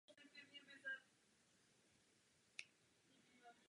Je také sídlem Velšské národní knihovny.